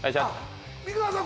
美川さん